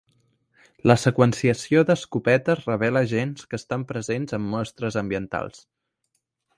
La seqüenciació d'escopetes revela gens que estan presents en mostres ambientals.